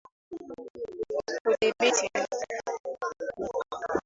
Kudhibiti mbu